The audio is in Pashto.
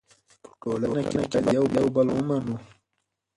په ټولنه کې باید یو بل ومنو.